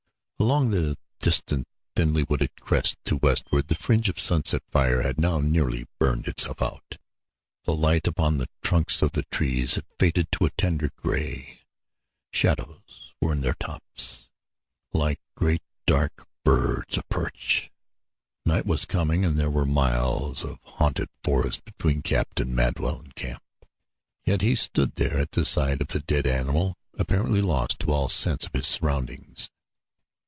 Along the distant, thinly wooded crest to westward the fringe of sunset fire had now nearly burned itself out. The light upon the trunks of the trees had faded to a tender gray; shadows were in their tops, like great dark birds aperch. Night was coming and there were miles of haunted forest between Captain Madwell and camp. Yet he stood there at the side of the dead animal, apparently lost to all sense of his surroundings.